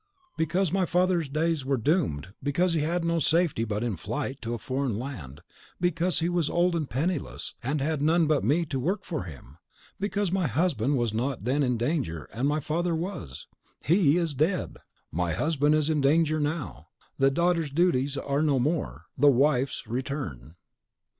"Because my father's days were doomed; because he had no safety but in flight to a foreign land; because he was old and penniless, and had none but me to work for him; because my husband was not then in danger, and my father was! HE is dead dead! My husband is in danger now. The daughter's duties are no more, the wife's return!"